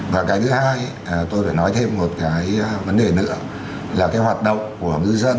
và cái thứ hai tôi phải nói thêm một cái vấn đề nữa là cái hoạt động của ngư dân